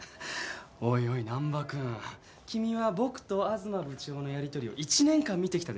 おいおい難破君君は僕と東部長のやりとりを１年間見てきたでしょ。